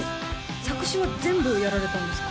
作詞は全部やられたんですか？